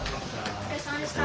お疲れさまでした。